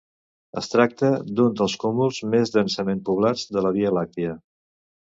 Es tracta d'un dels cúmuls més densament poblats de la Via Làctia.